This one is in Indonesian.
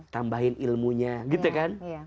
tambahin ilmunya gitu kan